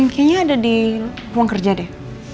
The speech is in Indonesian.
kayaknya ada di ruang kerja deh